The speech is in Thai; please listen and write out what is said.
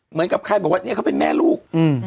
เหมือนกับใครบอกว่าเนี่ยเขาเป็นแม่ลูก